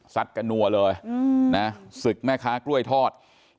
ซัดกระนั่วเลยสึกแม่ค้ากล้วยทอด